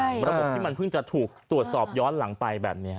ระบบที่มันเพิ่งจะถูกตรวจสอบย้อนหลังไปแบบนี้